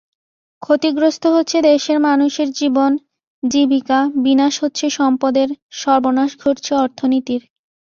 ক্ষতিগ্রস্ত হচ্ছে দেশের মানুষের জীবন-জীবিকা, বিনাশ হচ্ছে সম্পদের, সর্বনাশ ঘটছে অর্থনীতির।